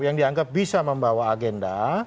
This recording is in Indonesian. yang dianggap bisa membawa agenda